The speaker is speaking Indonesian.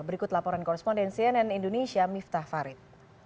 berikut laporan koresponden cnn indonesia miftah farid